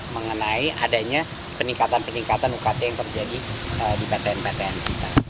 mengenai adanya peningkatan peningkatan ukt yang terjadi di ptn ptn kita